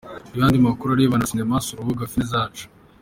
Ku yandi makuru arebana na Sinema sura urubuga Filmzacu.